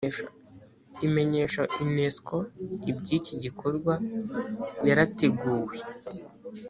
imenyesha unesco iby’iki gikorwa yarateguwe